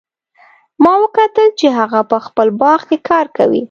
ما وکتل چې هغه په خپل باغ کې کار کوي